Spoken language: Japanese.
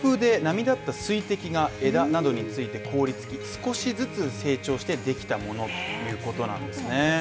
強風で波だった水滴が枝などについて凍りつき少しずつ成長してできたものっていうことなんですね。